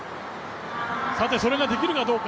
さてそれができるかどうか。